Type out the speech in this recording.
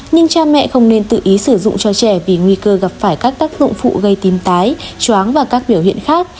nhưng cha mẹ không nên tự ý sử dụng cho trẻ vì nguy cơ gặp phải các tác dụng phụ gây tim tái chó và các biểu hiện khác